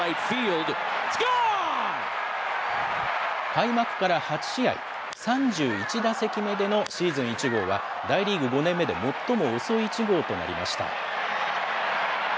開幕から８試合、３１打席目でのシーズン１号は、大リーグ５年目で最も遅い１号となりました。